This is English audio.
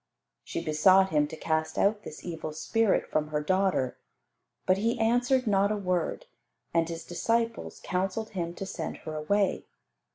She besought Him to cast out this evil spirit from her daughter. But He answered not a word, and His disciples counselled Him to send her away.